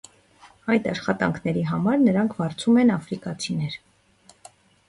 Այդ աշխատանքների համար նրանք վարձում են աֆրիկացիներ։